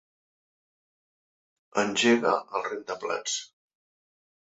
Engega el rentaplats.